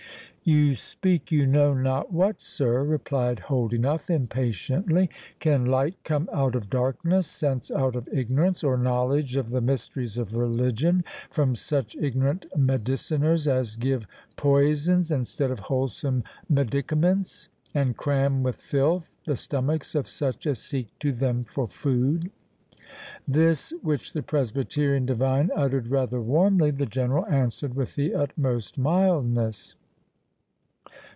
"You speak you know not what, sir," replied Holdenough, impatiently. "Can light come out of darkness, sense out of ignorance, or knowledge of the mysteries of religion from such ignorant mediciners as give poisons instead of wholesome medicaments, and cram with filth the stomachs of such as seek to them for food?" This, which the Presbyterian divine uttered rather warmly, the General answered with the utmost mildness.